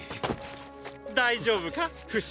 ⁉大丈夫かフシ？